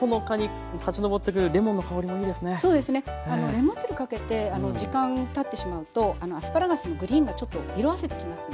レモン汁かけて時間たってしまうとアスパラガスのグリーンがちょっと色あせてきますのでね。